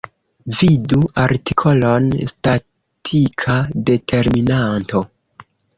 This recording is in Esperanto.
Vidu artikolon: statika determinanto.